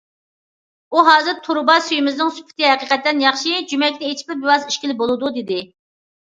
ئۇ: ھازىر تۇرۇبا سۈيىمىزنىڭ سۈپىتى ھەقىقەتەن ياخشى، جۈمەكنى ئېچىپلا بىۋاسىتە ئىچكىلى بولىدۇ، دېدى.